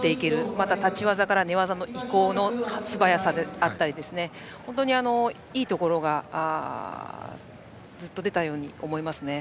また立ち技から寝技への移行の素早さだったり本当にいいところがずっと出たように思いますね。